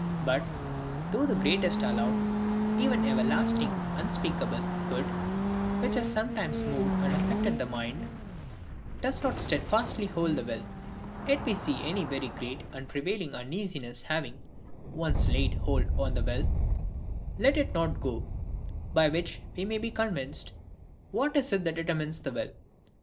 But, though the greatest allowed, even everlasting unspeakable, good, which has sometimes moved and affected the mind, does not stedfastly hold the will, yet we see any very great and prevailing uneasiness having once laid hold on the will, let it not go; by which we may be convinced, what it is that determines the will.